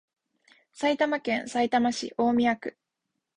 埼玉県さいたま市大宮区